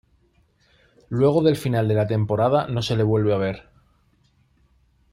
Luego del final de la temporada no se le vuelve a ver.